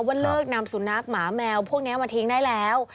ว่าเลิกนำสุนัขหมาแมวพวกนี้มาทิ้งได้แล้ว